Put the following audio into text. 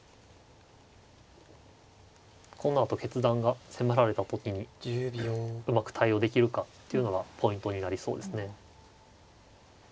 このあと決断が迫られた時にうまく対応できるかっていうのがポイントになりそうですね。